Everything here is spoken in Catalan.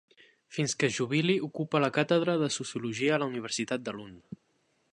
Fins que es jubili, ocupa la càtedra de Sociologia a la Universitat de Lund.